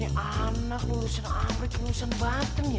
ini anak lulusan amrik lulusan batin ya